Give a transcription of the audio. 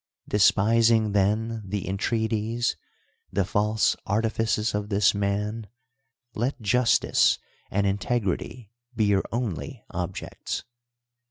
Despising, tlu^n, the entrc^aties. the false arti fifcs of this man, b't .justi('(^ and iiiteurity be your only objc ts.